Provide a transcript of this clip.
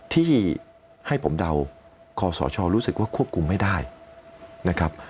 ที่ให้ผมเดาคอสชรู้สึกว่าควบคุมไม่ได้นะครับ